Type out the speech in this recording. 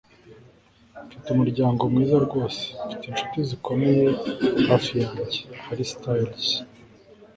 mfite umuryango mwiza rwose; mfite inshuti zikomeye hafi yanjye. - harry styles